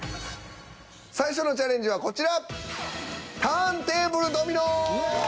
最初のチャレンジはこちら。